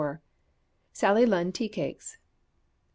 Sally Lunn Tea Cakes.